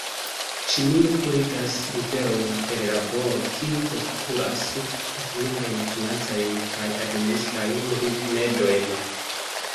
Ĉinio purigas riverojn per laboro, kiu postulas teknikajn, financajn kaj administrajn rimedojn.